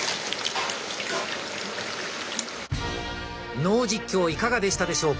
ノー実況いかがでしたでしょうか？